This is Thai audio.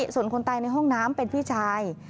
ส่วนคนตายในห้องน้ำเป็นพี่ชาย